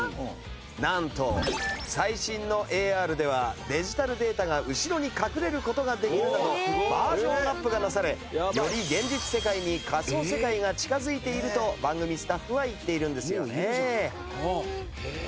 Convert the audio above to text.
なんと最新のＡＲではデジタルデータが後ろに隠れる事ができるなどバージョンアップがなされより現実世界に仮想世界が近づいていると番組スタッフは言っているんですよね。